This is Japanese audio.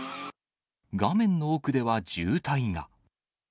画面の奥では渋滞が。